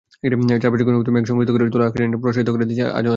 চারপাশে ঘনীভূত মেঘ সংকুচিত করে তোলা নিজের আকাশটা প্রসারিত করে দিচ্ছে অজান্তেই।